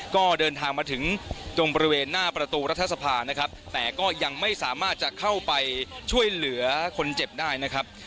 ก็เดินทางมาถึงตรงบริเวณหน้าประตูรัฐสภานะครับแต่ก็ยังไม่สามารถจะเข้าไปช่วยเหลือคนเจ็บได้นะครับ